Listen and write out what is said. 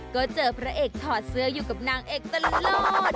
ก็เจอพระเอกถอดเสื้ออยู่กับนางเอกตลอด